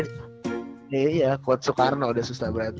iya quote soekarno udah susah berat